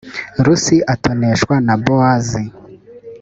rusi atoneshwa na bowazi